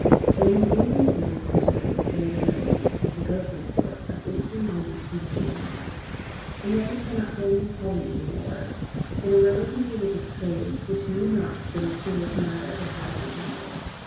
The only really serious disturbance within a generation was the "Ghost dance war" of 1890 91. And yet this cannot fairly be called an Indian war. It arose in a religious craze which need not have been a serious matter if wisely handled.